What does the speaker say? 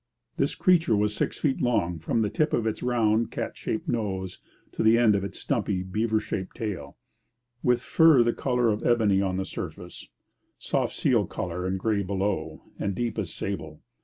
This creature was six feet long from the tip of its round, cat shaped nose to the end of its stumpy, beaver shaped tail, with fur the colour of ebony on the surface, soft seal colour and grey below, and deep as sable.